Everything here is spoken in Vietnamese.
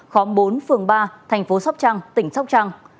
khóm bốn phường ba thành phố sóc trăng tỉnh sóc trăng